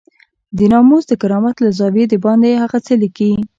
د ناموس د کرامت له زاويې دباندې هغه څه ليکي.